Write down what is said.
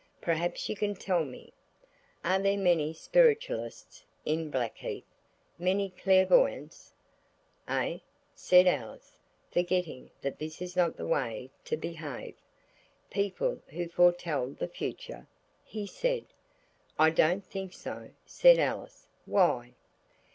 "Perhaps you can tell me. Are there many spiritualists in Blackheath? Many clairvoyants?" "Eh?" said Alice, forgetting that that is not the way to behave. "People who foretell the future?" he said. "I don't think so," said Alice. "Why?"